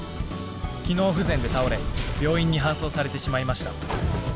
機能不全で倒れ病院に搬送されてしまいました。